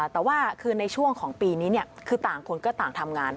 แต่ว่าคือในช่วงของปีนี้คือต่างคนก็ต่างทำงาน